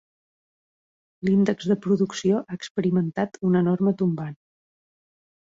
L'índex de producció ha experimentat un enorme tombant.